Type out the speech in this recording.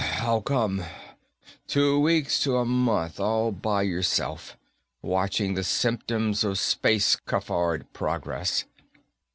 "How come? Two weeks to a month, all by yourself, watching the symptoms of space cafard progress.